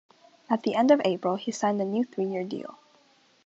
At the end of April, he signed a new three-year deal.